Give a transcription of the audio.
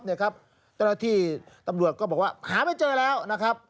เจ้าหน้าที่ตำรวจก็บอกว่าหาไม่เจอแล้วนะครับ